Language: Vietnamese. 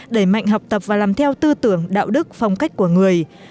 đẩy mạnh học tập và làm theo tư tưởng đạo đức phong cách của người